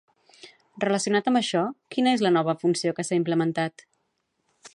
Relacionat amb això, quina es la nova funció que s'ha implementat?